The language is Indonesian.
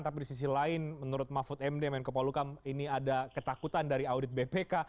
tapi di sisi lain menurut mahfud md menko polukam ini ada ketakutan dari audit bpk